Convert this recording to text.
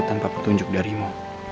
tanpa petunjuk darimu